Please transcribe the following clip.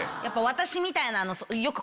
私みたいな。